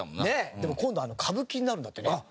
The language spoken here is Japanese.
でも今度は歌舞伎になるんだってね。